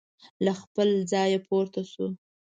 له خپل ځایه پورته شو.